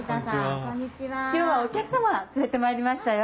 今日はお客様連れてまいりましたよ。